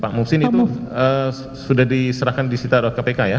pak mufsin itu sudah diserahkan di sitar kpk ya